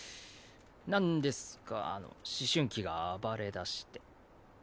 なんですかあの思春期が暴れだして。